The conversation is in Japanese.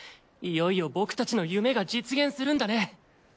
いよいよ僕たちの夢が実現するんだね。